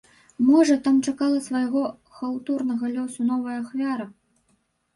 Можа, там чакала свайго хаўтурнага лёсу новая ахвяра.